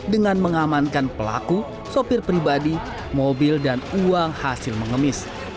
dengan mengamankan pelaku sopir pribadi mobil dan uang hasil mengemis